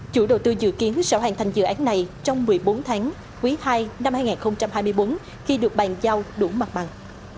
chủ đầu tư dự kiến sẽ hoàn thành dự án này trong một mươi bốn tháng quý ii năm hai nghìn hai mươi bốn khi được bàn giao đủ mặt bằng